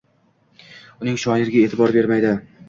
uning shioriga e’tibor bermaydi.